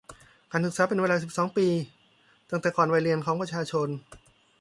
การศึกษาเป็นเวลาสิบสองปี ตั้งแต่ก่อนวัยเรียนของประชาชน